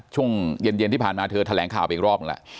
ช่วงเย็นที่ผ่านมาเธอแถลงข่าวไปอีกรอบหนึ่งแหละ